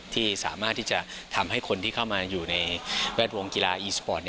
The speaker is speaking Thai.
ที่สามารถที่จะทำให้คนที่เข้ามาอยู่ในแวดวงกีฬาอีสปอร์ต